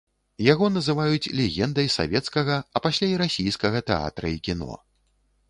Яго называюць легендай савецкага, а пасля і расійскага тэатра і кіно.